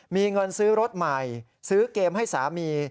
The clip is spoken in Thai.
มีเงินซื้อรถใหม่ซื้อเกมให้สามี